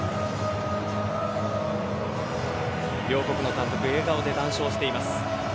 両国の監督笑顔で談笑しています。